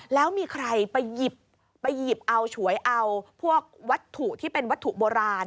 แล้วมีใครไปหยิบไปหยิบเอาฉวยเอาพวกวัตถุที่เป็นวัตถุโบราณ